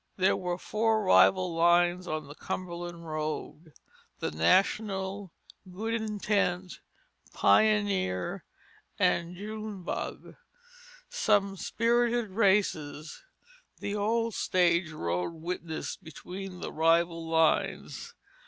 There were four rival lines on the Cumberland road, the National, Good Intent, Pioneer, and June Bug. Some spirited races the old stage road witnessed between the rival lines.